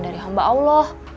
dari hamba allah